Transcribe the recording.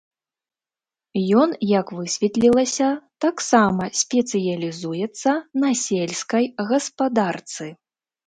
Ён, як высветлілася, таксама спецыялізуецца на сельскай гаспадарцы.